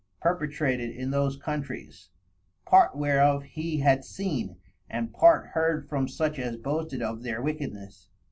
_perpetrated in those countries, part whereof he had seen, and part heard from such as boasted of their Wickedness.